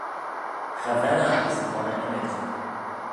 Cha vel ad gys monney ymmyd.